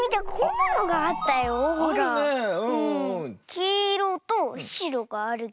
きいろとしろがあるけど。